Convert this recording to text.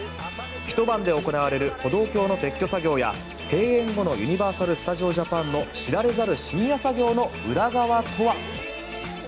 ひと晩で行われる歩道橋の撤去作業や閉園後のユニバーサル・スタジオ・ジャパンの知られざる深夜作業の裏側とは？